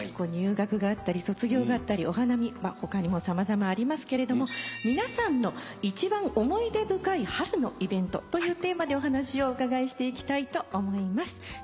入学があったり卒業があったりお花見他にも様々ありますけれども皆さんの「１番思い出深い春のイベント」というテーマでお話をお伺いしていきたいと思います。